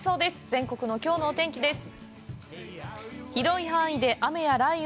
全国のきょうのお天気です。